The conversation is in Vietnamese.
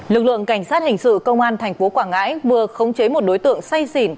lực lượng cảnh sát hình sự công an thành phố quảng ngãi vừa khống chế một đối tượng say xỉn